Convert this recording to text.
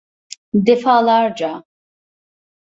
Defalarca.